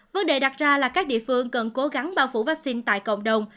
vấn đề đặt ra là các địa phương cần cố gắng bao phủ vaccine tại cộng đồng